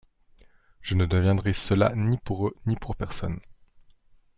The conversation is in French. Je ne deviendrai cela ni pour eux ni pour personne.